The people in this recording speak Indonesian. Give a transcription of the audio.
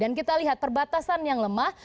dan kita lihat perbatasan yang lemah